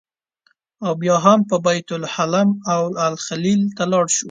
او بیا به بیت لحم او الخلیل ته لاړ شو.